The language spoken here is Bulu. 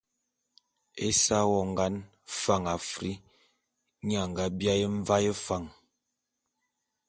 Ésa wongan Fan Afr, nye a nga biaé Mvaé Fan.